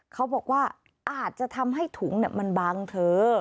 เขาบอกว่าอาจจะทำให้ถุงมันบางเธอ